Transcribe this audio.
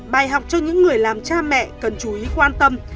bài học cho những người làm cha mẹ cần chú ý quan tâm